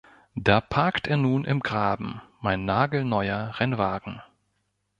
Da parkt er nun im Graben, mein nagelneuer Rennwagen.